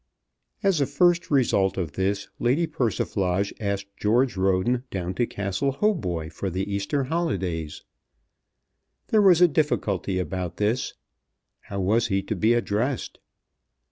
As a first result of this Lady Persiflage asked George Roden down to Castle Hautboy for the Easter holidays. There was a difficulty about this. How was he to be addressed?